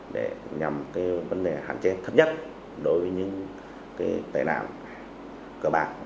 để nhầm vấn đề hạn chế thấp nhất đối với những tài nạn cờ bạc